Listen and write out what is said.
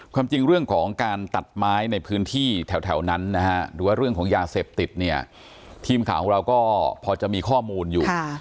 ความจริงเรื่องของการตัดไม้ในพื้นที่แถวนั้นนะฮะหรือว่าเรื่องของยาเสพติดเนี่ยทีมข่าวของเราก็พอจะมีข้อมูลอยู่